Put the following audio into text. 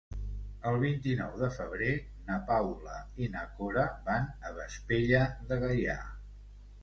El vint-i-nou de febrer na Paula i na Cora van a Vespella de Gaià.